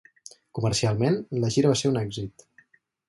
Comercialment, la gira va ser un èxit.